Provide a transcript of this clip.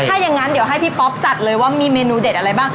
ถ้าอย่างนั้นเดี๋ยวให้พี่ป๊อปจัดเลยว่ามีเมนูเด็ดอะไรบ้าง